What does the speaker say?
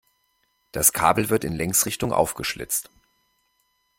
Das Kabel wird in Längsrichtung aufgeschlitzt.